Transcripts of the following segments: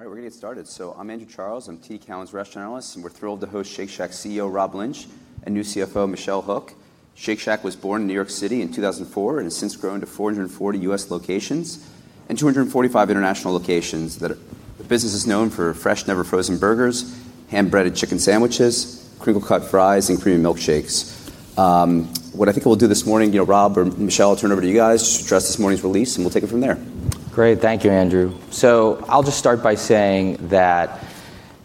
All right, we're going to get started. I'm Andrew Charles, I'm TD Cowen's restaurant analyst, and we're thrilled to host Shake Shack CEO, Rob Lynch, and new CFO, Michelle Hook. Shake Shack was born in New York City in 2004 and has since grown to 440 U.S. locations and 245 international locations. The business is known for fresh, never frozen burgers, hand-breaded chicken sandwiches, crinkle-cut fries, and premium milkshakes. What I think we'll do this morning, Rob or Michelle, I'll turn it over to you guys to address this morning's release, and we'll take it from there. Great. Thank you, Andrew. I'll just start by saying that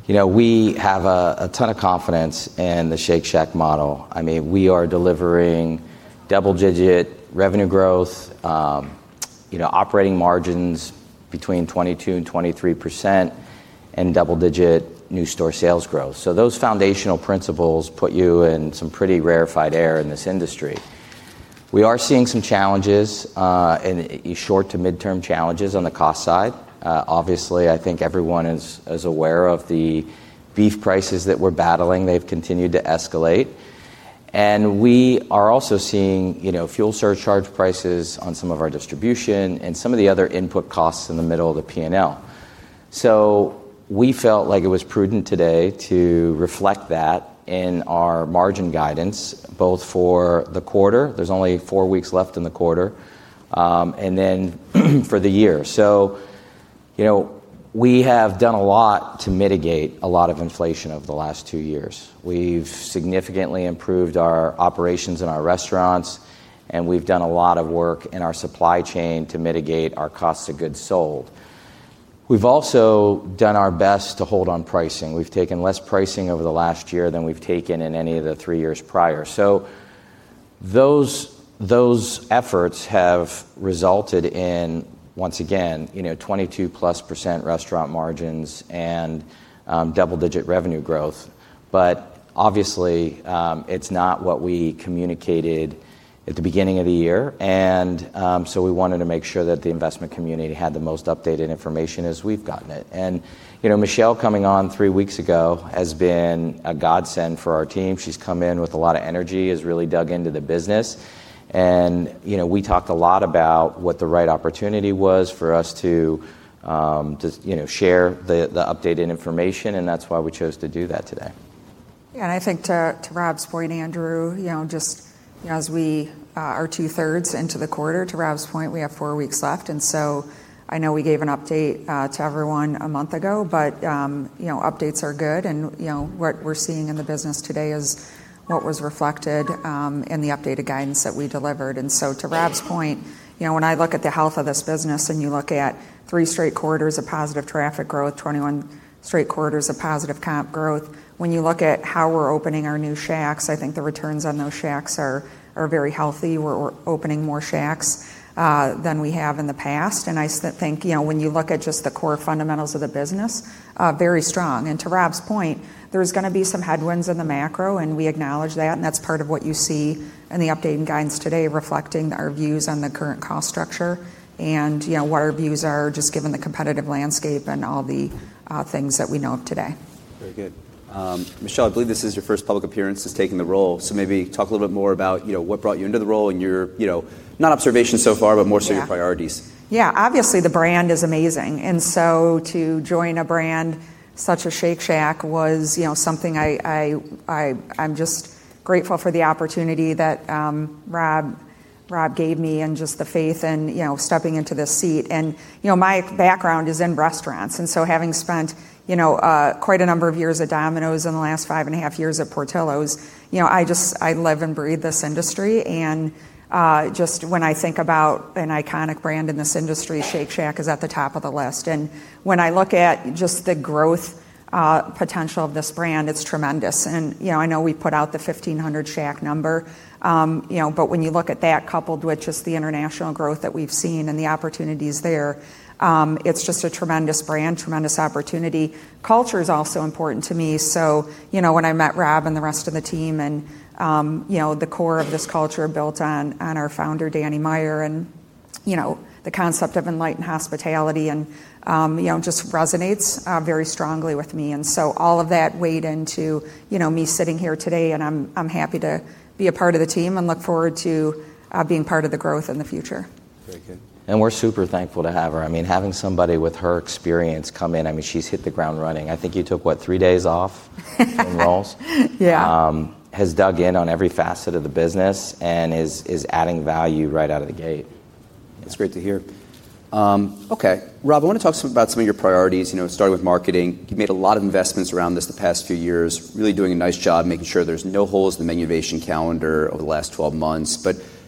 we have a ton of confidence in the Shake Shack model. We are delivering double-digit revenue growth, operating margins between 22% and 23%, and double-digit new store sales growth. Those foundational principles put you in some pretty rarefied air in this industry. We are seeing some challenges, short-to-midterm challenges, on the cost side. Obviously, I think everyone is aware of the beef prices that we're battling. They've continued to escalate. We are also seeing fuel surcharge prices on some of our distribution and some of the other input costs in the middle of the P&L. We felt like it was prudent today to reflect that in our margin guidance, both for the quarter, there's only four weeks left in the quarter, and then for the year. We have done a lot to mitigate a lot of inflation over the last two years. We've significantly improved our operations in our restaurants, and we've done a lot of work in our supply chain to mitigate our cost of goods sold. We've also done our best to hold on pricing. We've taken less pricing over the last year than we've taken in any of the three years prior. Those efforts have resulted in, once again, 22%+ restaurant margins and double-digit revenue growth, obviously, it's not what we communicated at the beginning of the year. We wanted to make sure that the investment community had the most updated information as we've gotten it. Michelle coming on three weeks ago has been a godsend for our team. She's come in with a lot of energy, has really dug into the business. We talked a lot about what the right opportunity was for us to share the updated information, and that's why we chose to do that today. I think to Rob's point, Andrew, just as we are two-thirds into the quarter, to Rob's point, we have four weeks left. I know we gave an update to everyone a month ago, but updates are good, and what we're seeing in the business today is what was reflected in the updated guidance that we delivered. To Rob's point, when I look at the health of this business and you look at three straight quarters of positive traffic growth, 21 straight quarters of positive comp growth. When you look at how we're opening our new Shacks, I think the returns on those Shacks are very healthy. We're opening more Shacks than we have in the past. I think when you look at just the core fundamentals of the business, very strong. To Rob's point, there's going to be some headwinds in the macro, and we acknowledge that, and that's part of what you see in the updated guidance today, reflecting our views on the current cost structure and what our views are just given the competitive landscape and all the things that we know of today. Very good. Michelle, I believe this is your first public appearance since taking the role. Maybe talk a little bit more about what brought you into the role and your, not observations so far, but more so your priorities. Yeah. Obviously, the brand is amazing. To join a brand such as Shake Shack was something I'm just grateful for the opportunity that Rob gave me and just the faith in stepping into this seat. My background is in restaurants, having spent quite a number of years at Domino's and the last five and a half years at Portillo's, I live and breathe this industry. Just when I think about an iconic brand in this industry, Shake Shack is at the top of the list. When I look at just the growth potential of this brand, it's tremendous. I know we put out the 1,500 Shack number, but when you look at that coupled with just the international growth that we've seen and the opportunities there, it's just a tremendous brand, tremendous opportunity. Culture is also important to me. When I met Rob and the rest of the team and the core of this culture built on our founder, Danny Meyer, and the concept of Enlightened Hospitality just resonates very strongly with me. All of that weighed into me sitting here today, and I'm happy to be a part of the team and look forward to being part of the growth in the future. Very good. We're super thankful to have her. Having somebody with her experience come in, she's hit the ground running. I think you took, what, three days off from Portillo's. Yeah. Has dug in on every facet of the business and is adding value right out of the gate. That's great to hear. Okay. Rob, I want to talk about some of your priorities, starting with marketing. You've made a lot of investments around this the past few years, really doing a nice job making sure there's no holes in the menu innovation calendar over the last 12 months.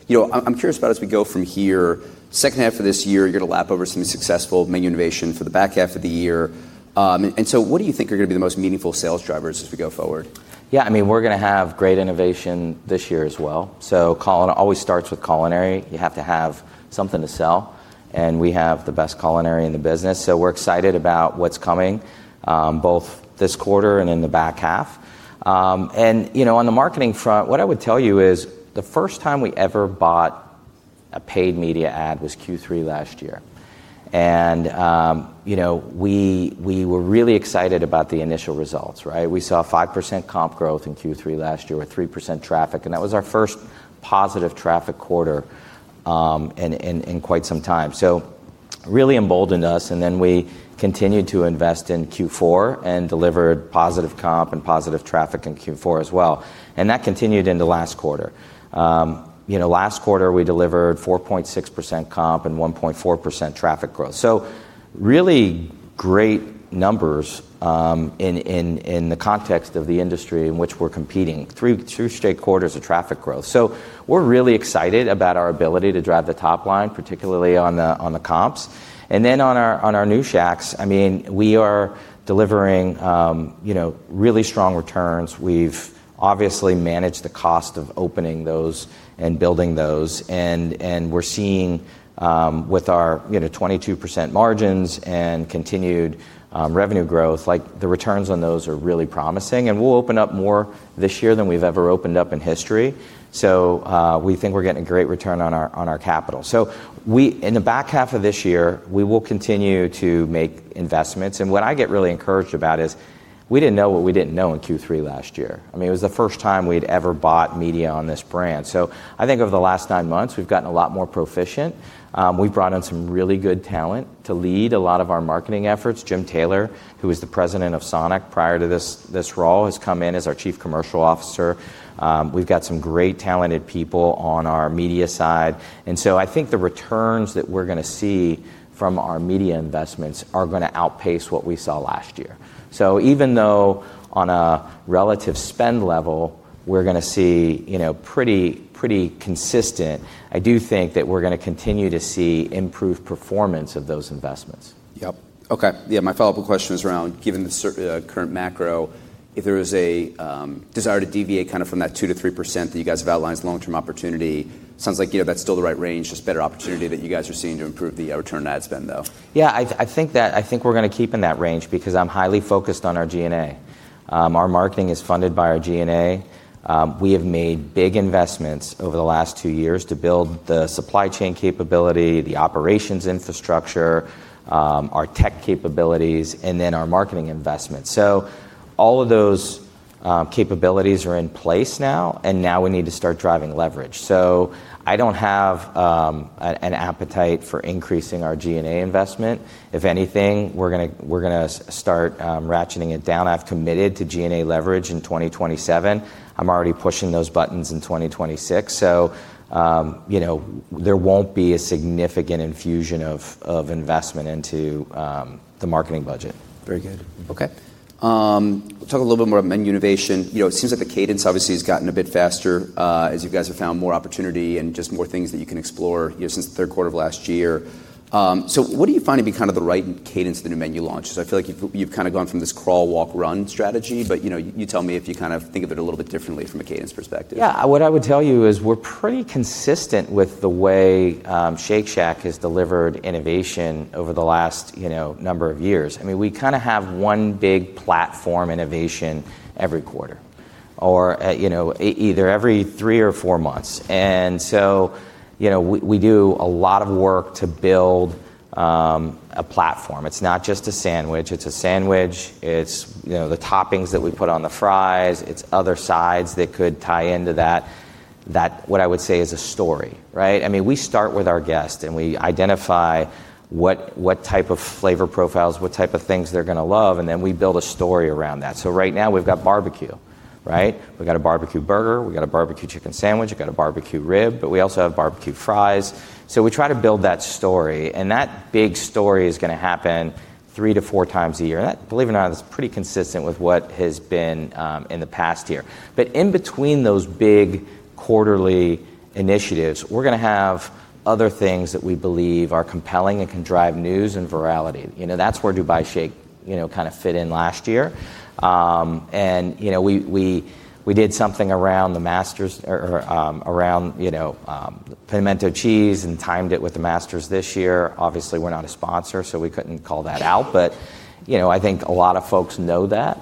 I'm curious about as we go from here, second half of this year, you're going to lap over some successful menu innovation for the back half of the year. What do you think are going to be the most meaningful sales drivers as we go forward? Yeah, we're going to have great innovation this year as well. It always starts with culinary. You have to have something to sell, and we have the best culinary in the business. We're excited about what's coming, both this quarter and in the back half. On the marketing front, what I would tell you is the first time we ever bought a paid media ad was Q3 last year. We were really excited about the initial results, right? We saw 5% comp growth in Q3 last year with 3% traffic, and that was our first positive traffic quarter in quite some time. Really emboldened us, and then we continued to invest in Q4 and delivered positive comp and positive traffic in Q4 as well. That continued into last quarter. Last quarter, we delivered 4.6% comp and 1.4% traffic growth. Really great numbers in the context of the industry in which we're competing. Three straight quarters of traffic growth. We're really excited about our ability to drive the top line, particularly on the comps. Then on our new Shacks, we are delivering really strong returns. We've obviously managed the cost of opening those and building those, and we're seeing with our 22% margins and continued revenue growth, the returns on those are really promising. We'll open up more this year than we've ever opened up in history. We think we're getting a great return on our capital. In the back half of this year, we will continue to make investments. What I get really encouraged about is we didn't know what we didn't know in Q3 last year. It was the first time we'd ever bought media on this brand. I think over the last nine months, we've gotten a lot more proficient. We've brought in some really good talent to lead a lot of our marketing efforts. Jim Taylor, who was the President of Sonic prior to this role, has come in as our Chief Commercial Officer. We've got some great talented people on our media side. I think the returns that we're going to see from our media investments are going to outpace what we saw last year. Even though on a relative spend level, we're going to see pretty consistent, I do think that we're going to continue to see improved performance of those investments. Yep. Okay. My follow-up question is around given the current macro, if there was a desire to deviate from that 2%-3% that you guys have outlined as long-term opportunity, sounds like that's still the right range, just better opportunity that you guys are seeing to improve the return on ad spend, though. Yeah, I think we're going to keep in that range because I'm highly focused on our G&A. Our marketing is funded by our G&A. We have made big investments over the last two years to build the supply chain capability, the operations infrastructure, our tech capabilities, and then our marketing investments. All of those capabilities are in place now, and now we need to start driving leverage. I don't have an appetite for increasing our G&A investment. If anything, we're going to start ratcheting it down. I've committed to G&A leverage in 2027. I'm already pushing those buttons in 2026. There won't be a significant infusion of investment into the marketing budget. Very good. Okay. Let's talk a little bit more about menu innovation. It seems like the cadence obviously has gotten a bit faster as you guys have found more opportunity and just more things that you can explore since the third quarter of last year. What do you find to be the right cadence for the new menu launch? I feel like you've gone from this crawl, walk, run strategy, but you tell me if you think of it a little bit differently from a cadence perspective. Yeah, what I would tell you is we're pretty consistent with the way Shake Shack has delivered innovation over the last number of years. We have one big platform innovation every quarter or either every three or four months. We do a lot of work to build a platform. It's not just a sandwich. It's a sandwich, it's the toppings that we put on the fries, it's other sides that could tie into that, what I would say is a story, right? We start with our guest, and we identify what type of flavor profiles, what type of things they're going to love, we build a story around that. Right now we've got barbecue, right? We got a barbecue burger, we got a barbecue chicken sandwich, we got a barbecue rub, we also have barbecue fries. We try to build that story, and that big story is going to happen three to four times a year. That, believe it or not, is pretty consistent with what has been in the past year. In between those big quarterly initiatives, we're going to have other things that we believe are compelling and can drive news and virality. That's where Dubai Shake kind of fit in last year. We did something around the Masters, around pimento cheese and timed it with the Masters this year. Obviously, we're not a sponsor, so we couldn't call that out, but I think a lot of folks know that.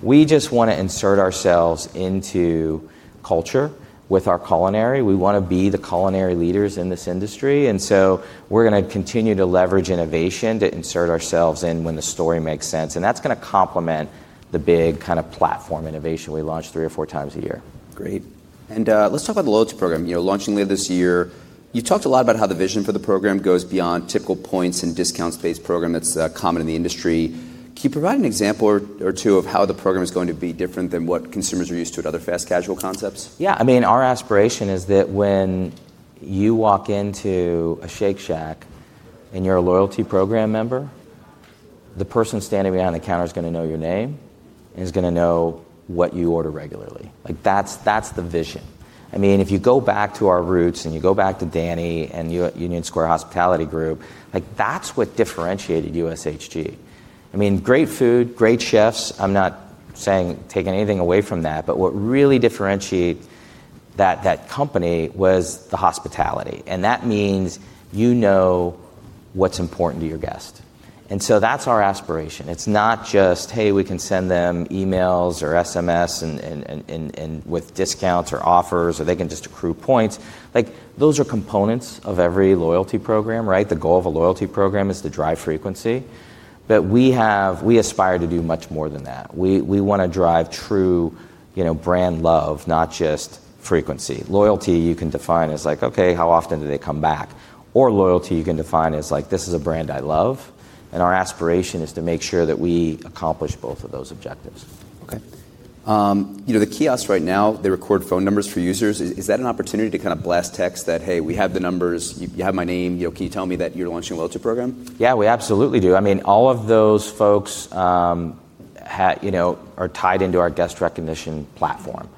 We just want to insert ourselves into culture with our culinary. We want to be the culinary leaders in this industry. We're going to continue to leverage innovation to insert ourselves in when the story makes sense, and that's going to complement the big platform innovation we launch three or four times a year. Great. Let's talk about the loyalty program, launching later this year. You talked a lot about how the vision for the program goes beyond typical points and discounts-based program that's common in the industry. Can you provide an example or two of how the program is going to be different than what consumers are used to at other fast casual concepts? Our aspiration is that when you walk into a Shake Shack and you're a loyalty program member, the person standing behind the counter is going to know your name and is going to know what you order regularly. That's the vision. If you go back to our roots and you go back to Danny and Union Square Hospitality Group, that's what differentiated USHG. Great food, great chefs. I'm not saying taking anything away from that, but what really differentiated that company was the hospitality. That means you know what's important to your guest. That's our aspiration. It's not just, hey, we can send them emails or SMS, and with discounts or offers, or they can just accrue points. Those are components of every loyalty program, right? The goal of a loyalty program is to drive frequency. We aspire to do much more than that. We want to drive true brand love, not just frequency. Loyalty you can define as like, okay, how often do they come back? Loyalty you can define as like, this is a brand I love, and our aspiration is to make sure that we accomplish both of those objectives. Okay. The kiosks right now, they record phone numbers for users. Is that an opportunity to kind of blast text that, "Hey, we have the numbers. You have my name, can you tell me that you're launching a loyalty program? Yeah, we absolutely do. All of those folks are tied into our guest recognition platform.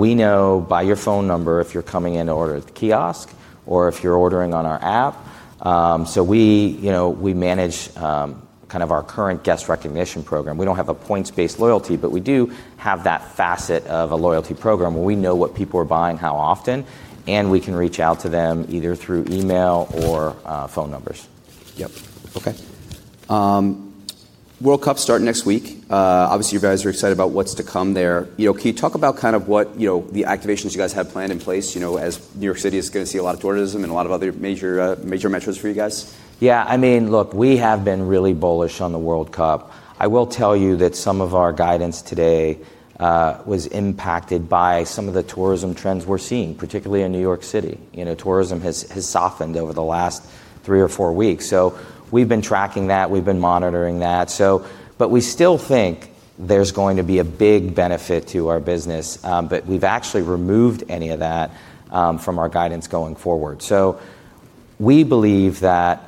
We know by your phone number if you're coming in to order at the kiosk or if you're ordering on our app. We manage our current guest recognition program. We don't have a points-based loyalty, but we do have that facet of a loyalty program where we know what people are buying, how often, and we can reach out to them either through email or phone numbers. Yep. Okay. World Cup's starting next week. Obviously, you guys are excited about what's to come there. Can you talk about the activations you guys have planned in place as New York City is going to see a lot of tourism and a lot of other major metros for you guys? Yeah. Look, we have been really bullish on the World Cup. I will tell you that some of our guidance today was impacted by some of the tourism trends we're seeing, particularly in New York City. Tourism has softened over the last three or four weeks. We've been tracking that, we've been monitoring that. We still think there's going to be a big benefit to our business. We've actually removed any of that from our guidance going forward. We believe that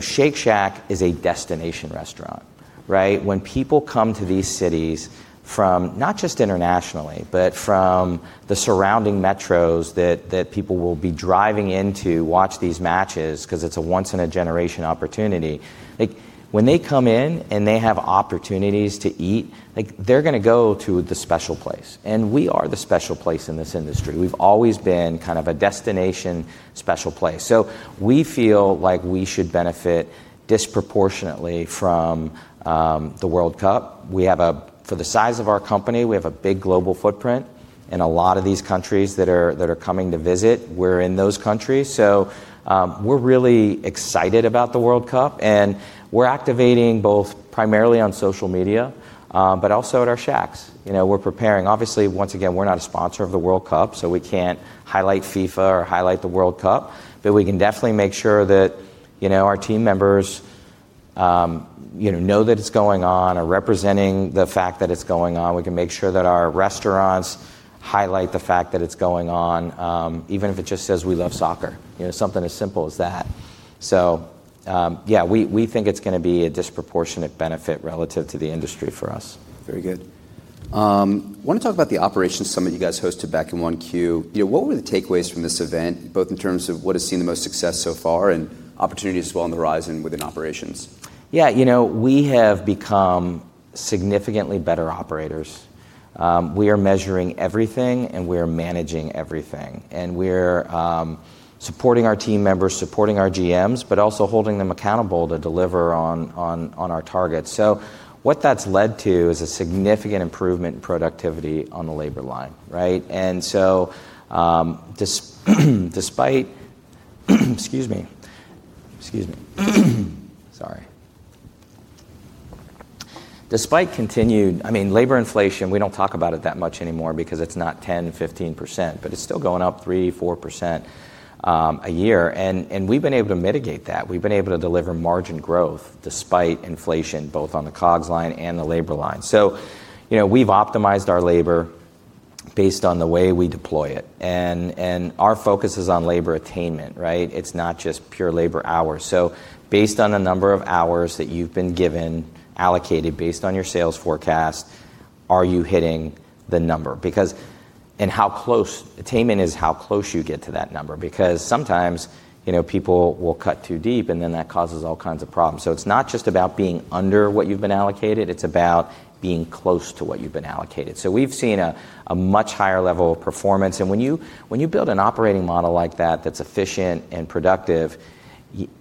Shake Shack is a destination restaurant. Right? When people come to these cities from, not just internationally, but from the surrounding metros that people will be driving in to watch these matches because it's a once in a generation opportunity. When they come in and they have opportunities to eat, they're going to go to the special place, we are the special place in this industry. We've always been kind of a destination special place. We feel like we should benefit disproportionately from the World Cup. For the size of our company, we have a big global footprint in a lot of these countries that are coming to visit. We're in those countries. We're really excited about the World Cup and we're activating both primarily on social media, but also at our Shacks. We're preparing. Obviously, once again, we're not a sponsor of the World Cup, we can't highlight FIFA or highlight the World Cup, but we can definitely make sure that our team members know that it's going on, are representing the fact that it's going on. We can make sure that our restaurants highlight the fact that it's going on, even if it just says, "We love soccer." Something as simple as that. Yeah, we think it's going to be a disproportionate benefit relative to the industry for us. Very good. I want to talk about the operations summit you guys hosted back in 1Q. What were the takeaways from this event, both in terms of what has seen the most success so far and opportunities as well on the horizon within operations? We have become significantly better operators. We are measuring everything and we are managing everything, and we're supporting our team members, supporting our GMs, but also holding them accountable to deliver on our targets. What that's led to is a significant improvement in productivity on the labor line. Right? Despite continued labor inflation, we don't talk about it that much anymore because it's not 10%-15%, but it's still going up 3%-4% a year. We've been able to mitigate that. We've been able to deliver margin growth despite inflation, both on the COGS line and the labor line. We've optimized our labor based on the way we deploy it, and our focus is on labor attainment, right? It's not just pure labor hours. Based on the number of hours that you've been given, allocated based on your sales forecast, are you hitting the number? Attainment is how close you get to that number because sometimes people will cut too deep and then that causes all kinds of problems. It's not just about being under what you've been allocated, it's about being close to what you've been allocated. We've seen a much higher level of performance, and when you build an operating model like that that's efficient and productive,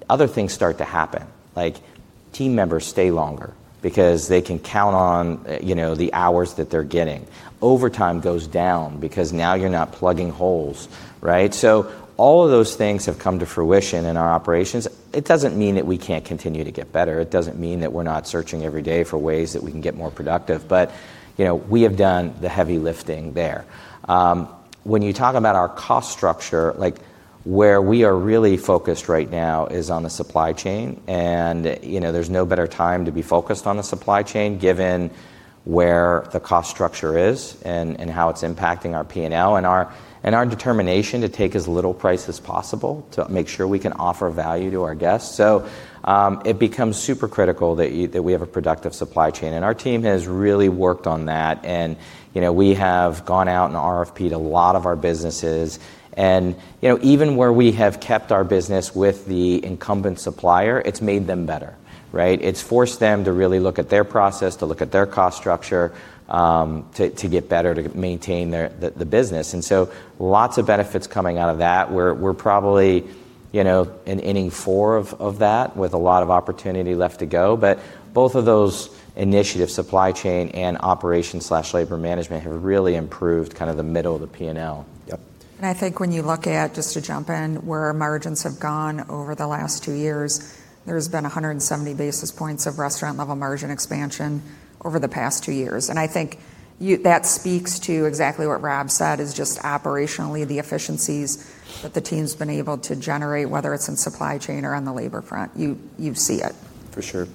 other things start to happen. Like team members stay longer because they can count on the hours that they're getting. Overtime goes down because now you're not plugging holes, right? All of those things have come to fruition in our operations. It doesn't mean that we can't continue to get better. It doesn't mean that we're not searching every day for ways that we can get more productive. We have done the heavy lifting there. When you talk about our cost structure, where we are really focused right now is on the supply chain, and there's no better time to be focused on the supply chain given where the cost structure is and how it's impacting our P&L and our determination to take as little price as possible to make sure we can offer value to our guests. It becomes super critical that we have a productive supply chain, and our team has really worked on that. We have gone out and RFP'd a lot of our businesses and even where we have kept our business with the incumbent supplier, it's made them better. Right. It's forced them to really look at their process, to look at their cost structure, to get better, to maintain the business. Lots of benefits coming out of that. We're probably in inning four of that with a lot of opportunity left to go. Both of those initiatives, supply chain and operation/labor management, have really improved the middle of the P&L. Yep I think when you look at, just to jump in, where our margins have gone over the last two years, there's been 170 basis points of restaurant-level margin expansion over the past two years. I think that speaks to exactly what Rob said, is just operationally, the efficiencies that the team's been able to generate, whether it's in supply chain or on the labor front. You see it. For sure.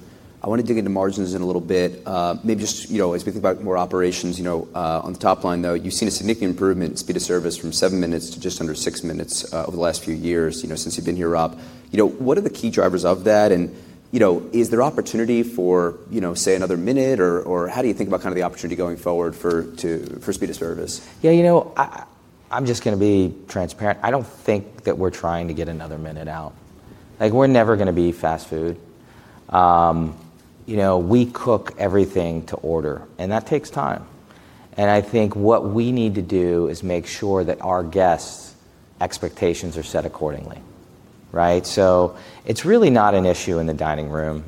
I want to dig into margins in a little bit. Speaking about more operations, on the top line, though, you've seen a significant improvement in speed of service from seven minutes to just under six minutes over the last few years, since you've been here, Rob. What are the key drivers of that, and is there opportunity for, say, another minute, or how do you think about the opportunity going forward for speed of service? I'm just going to be transparent. I don't think that we're trying to get another minute out. We're never going to be fast food. We cook everything to order, and that takes time. I think what we need to do is make sure that our guests' expectations are set accordingly. Right? It's really not an issue in the dining room.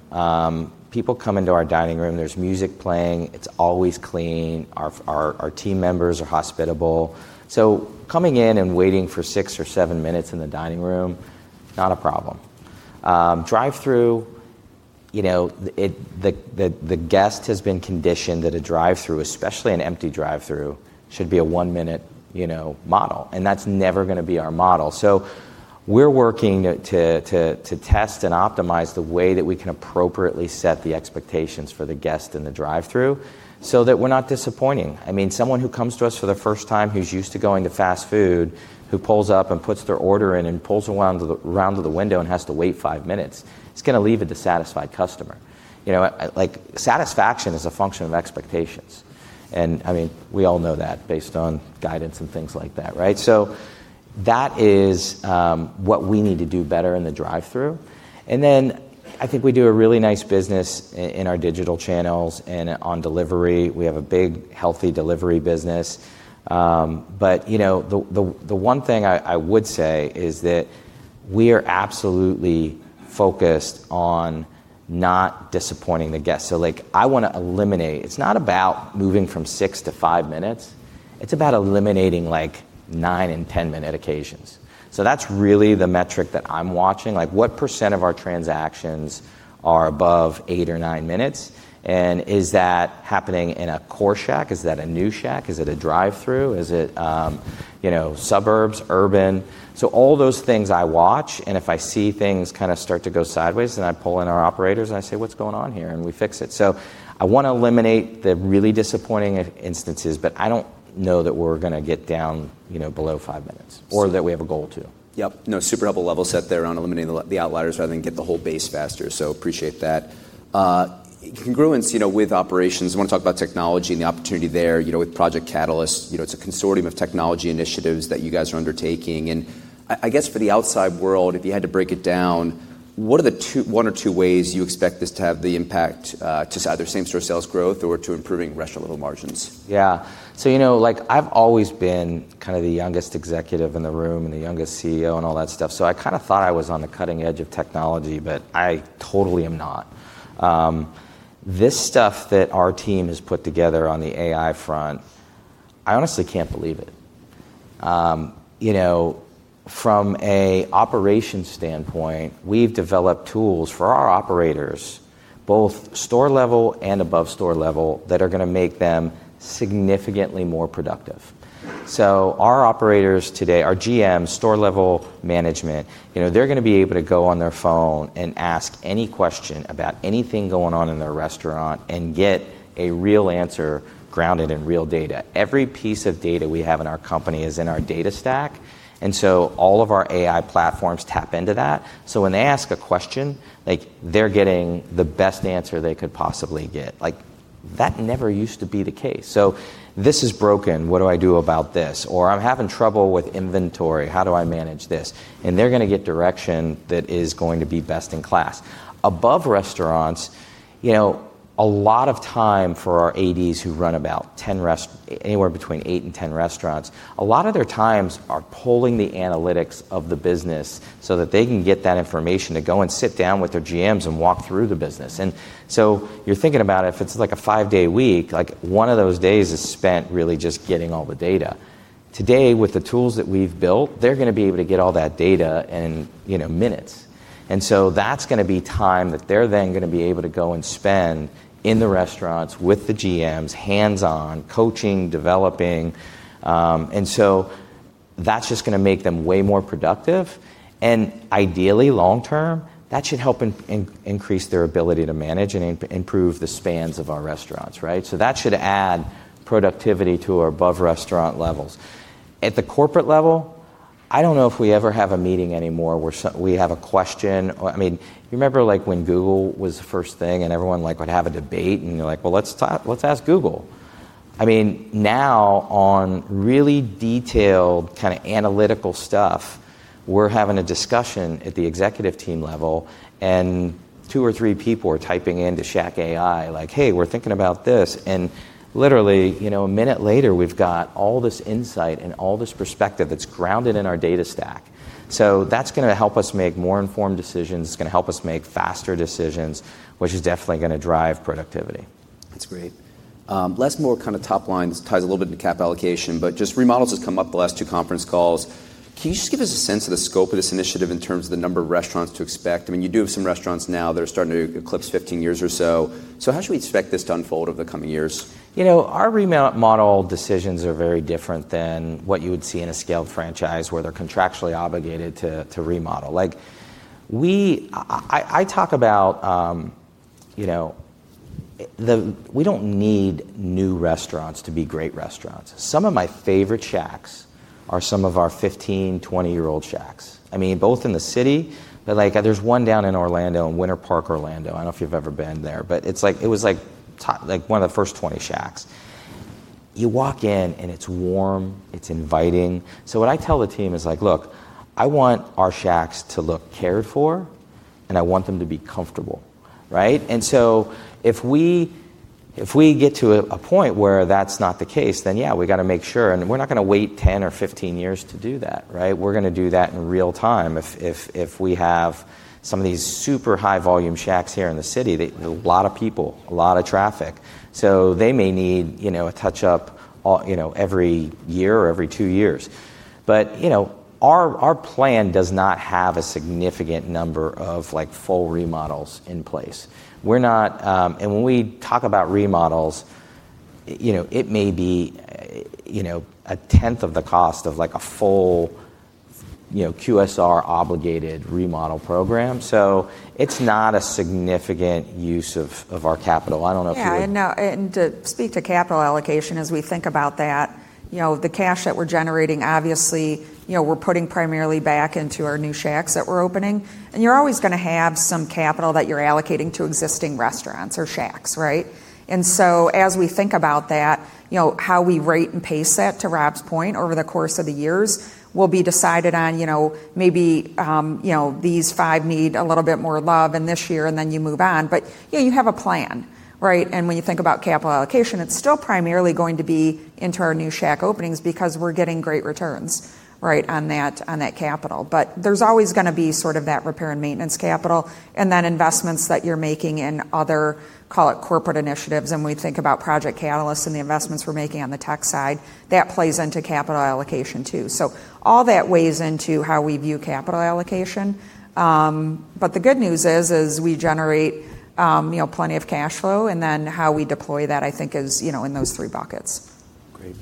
People come into our dining room, there's music playing, it's always clean. Our team members are hospitable. Coming in and waiting for six or seven minutes in the dining room, not a problem. Drive-through, the guest has been conditioned that a drive-through, especially an empty drive-through, should be a one-minute model. That's never going to be our model. We're working to test and optimize the way that we can appropriately set the expectations for the guest in the drive-through so that we're not disappointing. Someone who comes to us for the first time who's used to going to fast food, who pulls up and puts their order in and pulls around to the window and has to wait five minutes, is going to leave a dissatisfied customer. Satisfaction is a function of expectations, and we all know that based on guidance and things like that, right? That is what we need to do better in the drive-through. Then I think we do a really nice business in our digital channels and on delivery. We have a big, healthy delivery business. The one thing I would say is that we are absolutely focused on not disappointing the guests. I want to eliminate. It's not about moving from six to five minutes, it's about eliminating, nine- and ten-minute occasions. That's really the metric that I'm watching. What percent of our transactions are above eight or nine minutes? Is that happening in a core Shack? Is that a new Shack? Is it a drive-through? Is it suburbs, urban? All those things I watch, and if I see things kind of start to go sideways, then I pull in our operators and I say, "What's going on here?" We fix it. I want to eliminate the really disappointing instances. I don't know that we're going to get down below five minutes, or that we have a goal to. Yep. No, super helpful level set there on eliminating the outliers rather than get the whole base faster. Appreciate that. Congruence with operations, I want to talk about technology and the opportunity there with Project Catalyst. It's a consortium of technology initiatives that you guys are undertaking, and I guess for the outside world, if you had to break it down, what are the one or two ways you expect this to have the impact to either same-store sales growth or to improving restaurant-level margins? Yeah. I've always been kind of the youngest executive in the room and the youngest CEO and all that stuff, so I kind of thought I was on the cutting edge of technology, but I totally am not. This stuff that our team has put together on the AI front, I honestly can't believe it. From an operations standpoint, we've developed tools for our operators, both store level and above store level, that are going to make them significantly more productive. Our operators today, our GMs, store-level management, they're going to be able to go on their phone and ask any question about anything going on in their restaurant and get a real answer grounded in real data. Every piece of data we have in our company is in our data stack, all of our AI platforms tap into that. When they ask a question, they're getting the best answer they could possibly get. That never used to be the case. "This is broken. What do I do about this?" Or, "I'm having trouble with inventory. How do I manage this?" They're going to get direction that is going to be best in class. Above restaurants, a lot of time for our ADs who run anywhere between eight and 10 restaurants, a lot of their times are pulling the analytics of the business so that they can get that information to go and sit down with their GMs and walk through the business. You're thinking about if it's like a five-day week, one of those days is spent really just getting all the data. Today, with the tools that we've built, they're going to be able to get all that data in minutes. That's going to be time that they're then going to be able to go and spend in the restaurants with the GMs, hands-on, coaching, developing. That's just going to make them way more productive. Ideally, long-term, that should help increase their ability to manage and improve the spans of our restaurants, right? That should add productivity to our above-restaurant levels. At the corporate level, I don't know if we ever have a meeting anymore where we have a question. You remember when Google was the first thing and everyone would have a debate and you're like, "Well, let's ask Google." On really detailed, kind of analytical stuff, we're having a discussion at the executive team level, and two or three people are typing into Shack AI, like, "Hey, we're thinking about this." Literally, a minute later, we've got all this insight and all this perspective that's grounded in our data stack. That's going to help us make more informed decisions. It's going to help us make faster decisions, which is definitely going to drive productivity. That's great. Less more kind of top lines ties a little bit into cap allocation, just remodels has come up the last two conference calls. Can you just give us a sense of the scope of this initiative in terms of the number of restaurants to expect? You do have some restaurants now that are starting to eclipse 15 years or so. How should we expect this to unfold over the coming years? Our remodel decisions are very different than what you would see in a scaled franchise where they're contractually obligated to remodel. I talk about we don't need new restaurants to be great restaurants. Some of my favorite Shacks are some of our 15, 20-year-old Shacks. Both in the city, there's one down in Orlando, in Winter Park, Orlando. I don't know if you've ever been there, but it was one of the first 20 Shacks. You walk in and it's warm, it's inviting. What I tell the team is, "Look, I want our Shacks to look cared for, and I want them to be comfortable." Right? If we get to a point where that's not the case, then yeah, we've got to make sure. We're not going to wait 10 or 15 years to do that, right? We're going to do that in real-time if we have some of these super high volume Shacks here in the city, a lot of people, a lot of traffic. They may need a touch-up every year or every two years. Our plan does not have a significant number of full remodels in place. When we talk about remodels, it may be a tenth of the cost of a full QSR-obligated remodel program. It's not a significant use of our capital. Yeah, to speak to capital allocation as we think about that, the cash that we're generating, obviously, we're putting primarily back into our new Shacks that we're opening. You're always going to have some capital that you're allocating to existing restaurants or Shacks, right? As we think about that, how we rate and pace that, to Rob's point, over the course of the years, will be decided on maybe these five need a little bit more love in this year, then you move on. Yeah, you have a plan, right? When you think about capital allocation, it's still primarily going to be into our new Shack openings because we're getting great returns right on that capital. There's always going to be that repair and maintenance capital, and then investments that you're making in other, call it corporate initiatives, and we think about Project Catalyst and the investments we're making on the tech side. That plays into capital allocation, too. All that weighs into how we view capital allocation. The good news is we generate plenty of cash flow, and then how we deploy that, I think is, in those three buckets. Great.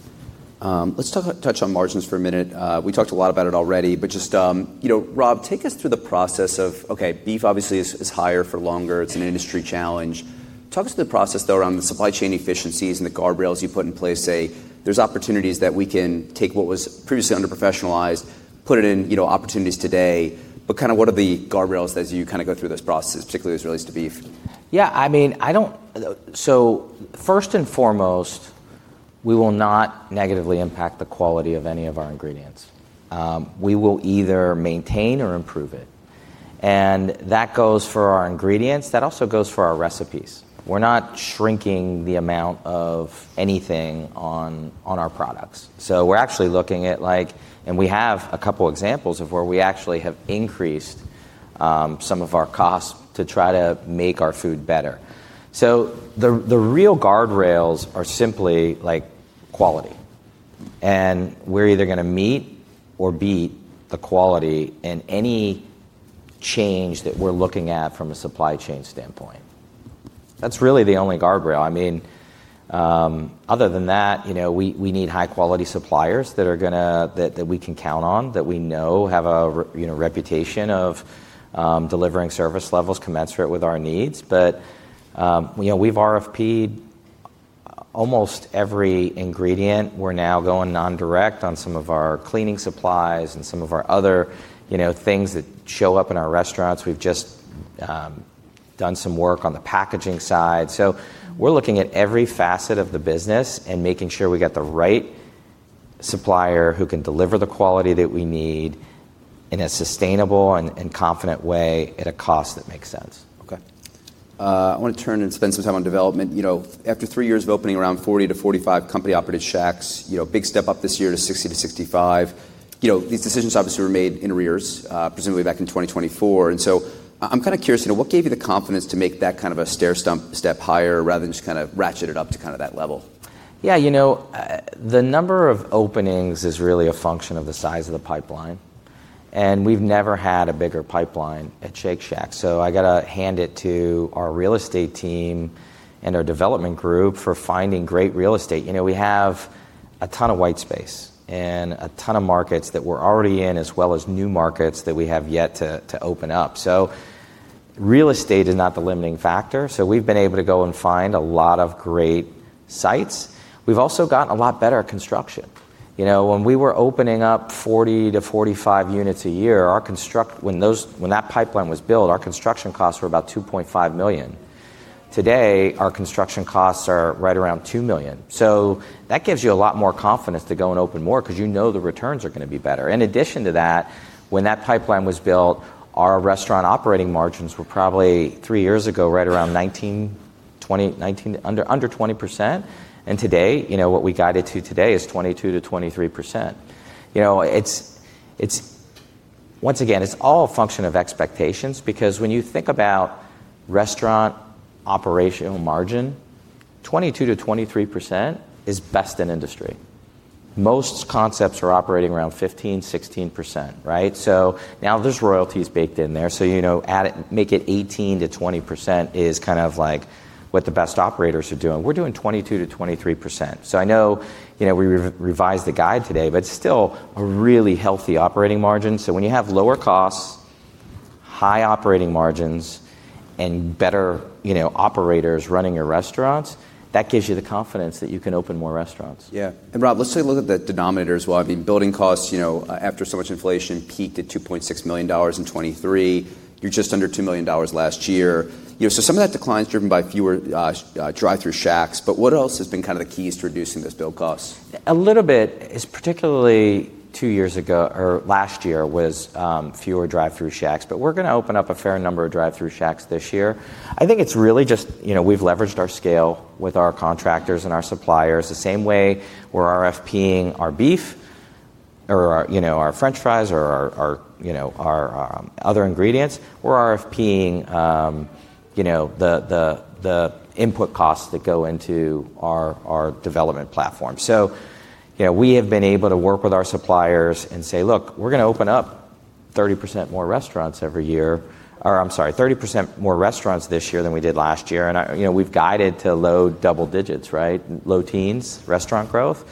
Let's touch on margins for a minute. We talked a lot about it already, but just, Rob, take us through the process of, okay, beef obviously is higher for longer. It's an industry challenge. Talk us through the process, though, around the supply chain efficiencies and the guardrails you put in place. Say, there's opportunities that we can take what was previously under-professionalized, put it in opportunities today. But what are the guardrails as you go through those processes, particularly as it relates to beef? Yeah. First and foremost, we will not negatively impact the quality of any of our ingredients. We will either maintain or improve it. That goes for our ingredients. That also goes for our recipes. We're not shrinking the amount of anything on our products. We're actually looking at, and we have a couple examples of where we actually have increased some of our costs to try to make our food better. The real guardrails are simply quality. We're either going to meet or beat the quality in any change that we're looking at from a supply chain standpoint. That's really the only guardrail. Other than that, we need high-quality suppliers that we can count on, that we know have a reputation of delivering service levels commensurate with our needs. We've RFP'd almost every ingredient. We're now going non-direct on some of our cleaning supplies and some of our other things that show up in our restaurants. We've just done some work on the packaging side. We're looking at every facet of the business and making sure we get the right supplier who can deliver the quality that we need in a sustainable and confident way at a cost that makes sense. Okay. I want to turn and spend some time on development. After three years of opening around 40-45 company-operated Shacks, big step up this year to 60-65. These decisions obviously were made in arrears, presumably back in 2024. I'm kind of curious to know what gave you the confidence to make that kind of a stair step higher rather than just kind of ratchet it up to that level? Yeah. The number of openings is really a function of the size of the pipeline. We've never had a bigger pipeline at Shake Shack, so I got to hand it to our real estate team and our development group for finding great real estate. We have a ton of white space and a ton of markets that we're already in, as well as new markets that we have yet to open up. Real estate is not the limiting factor, so we've been able to go and find a lot of great sites. We've also gotten a lot better at construction. When we were opening up 40-45 units a year, when that pipeline was built, our construction costs were about $2.5 million. Today, our construction costs are right around $2 million. That gives you a lot more confidence to go and open more because you know the returns are going to be better. In addition to that, when that pipeline was built, our restaurant operating margins were probably, three years ago, right around 19%, under 20%. Today, what we guided to today is 22%-23%. Once again, it's all a function of expectations because when you think about restaurant operational margin, 22%-23% is best in industry. Most concepts are operating around 15%-16%, right? Now there's royalties baked in there, so make it 18%-20% is kind of like what the best operators are doing. We're doing 22%-23%. I know we revised the guide today, but still a really healthy operating margin. When you have lower costs, high operating margins, and better operators running your restaurants, that gives you the confidence that you can open more restaurants. Yeah. Rob, let's take a look at the denominators as well. Building costs after so much inflation peaked at $2.6 million in 2023. You're just under $2 million last year. Some of that decline is driven by fewer drive-thru Shacks, but what else has been kind of the keys to reducing those build costs? A little bit, particularly two years ago or last year was fewer drive-thru Shacks, but we're going to open up a fair number of drive-thru Shacks this year. I think it's really just we've leveraged our scale with our contractors and our suppliers the same way we're RFPing our beef or our french fries or our other ingredients. We're RFPing the input costs that go into our development platform. We have been able to work with our suppliers and say, "Look, we're going to open up 30% more restaurants this year than we did last year." We've guided to low double digits, right? Low teens restaurant growth.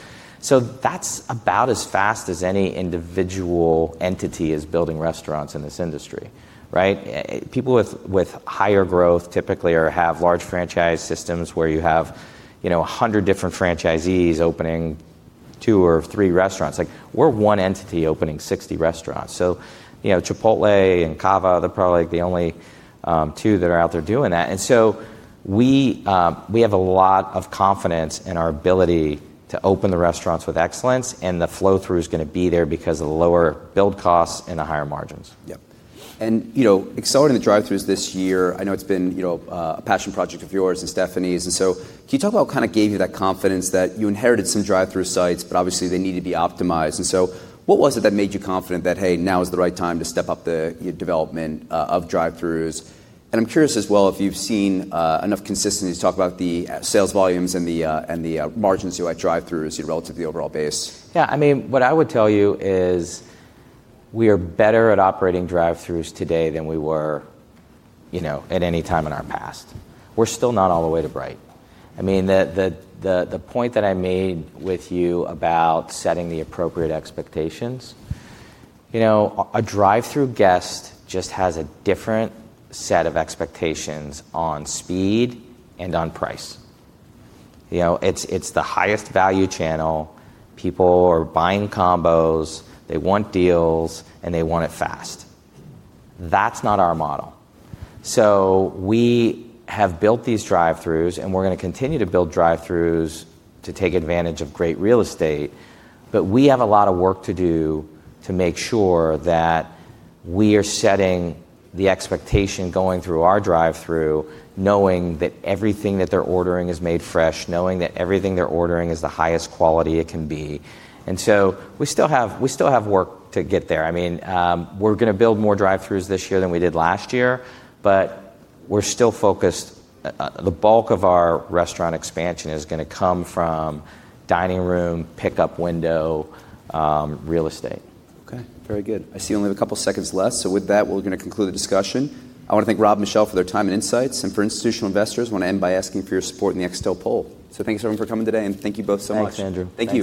That's about as fast as any individual entity is building restaurants in this industry, right? People with higher growth typically have large franchise systems where you have 100 different franchisees opening two or three restaurants. We're one entity opening 60 restaurants. Chipotle and Cava, they're probably the only two that are out there doing that. We have a lot of confidence in our ability to open the restaurants with excellence, and the flow-through is going to be there because of the lower build costs and the higher margins. Yep. Accelerating the drive-thrus this year, I know it's been a passion project of yours and Stephanie's. Can you talk about what gave you that confidence that you inherited some drive-thru sites, but obviously they need to be optimized. What was it that made you confident that, hey, now is the right time to step up the development of drive-thrus? I'm curious as well if you've seen enough consistency to talk about the sales volumes and the margins throughout drive-thru as relative to the overall base. What I would tell you is we are better at operating drive-thrus today than we were at any time in our past. We're still not all the way to bright. The point that I made with you about setting the appropriate expectations, a drive-thru guest just has a different set of expectations on speed and on price. It's the highest value channel. People are buying combos, they want deals, and they want it fast. That's not our model. We have built these drive-thrus and we're going to continue to build drive-thrus to take advantage of great real estate, but we have a lot of work to do to make sure that we are setting the expectation going through our drive-thru, knowing that everything that they're ordering is made fresh, knowing that everything they're ordering is the highest quality it can be. We still have work to get there. We're going to build more drive-thrus this year than we did last year, but we're still focused. The bulk of our restaurant expansion is going to come from dining room, pick-up window, real estate. Okay, very good. I see we only have a couple seconds left, so with that, we're going to conclude the discussion. I want to thank Rob and Michelle for their time and insights, and for institutional investors, I want to end by asking for your support in the Institutional Investor poll. Thank you, everyone, for coming today, and thank you both so much. Thanks, Andrew. Thank you.